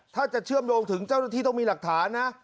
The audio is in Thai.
ถ้าจะเชื่อมโยงถึงเจ้าหน้าที่ต้องมีหลักฐานนะ